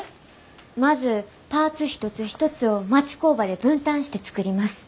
まずパーツ一つ一つを町工場で分担して作ります。